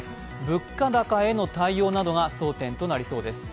物価高への対応などが争点となりそうです。